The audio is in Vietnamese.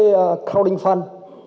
các cái crowning fund